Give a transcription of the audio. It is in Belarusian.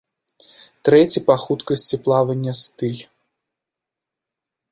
Трэці па хуткасці плавання стыль.